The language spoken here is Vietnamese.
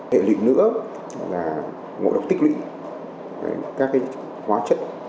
hệ lụy nữa là ngộ độc tích lũy các hóa chất